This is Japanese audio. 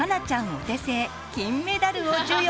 お手製金メダルを授与。